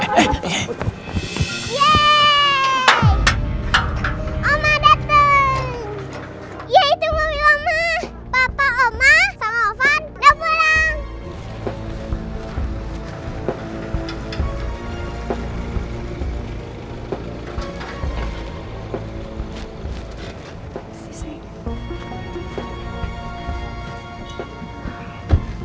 yeay itu boim oma